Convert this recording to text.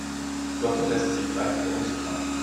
Lotte lässt sich leicht verunsichern.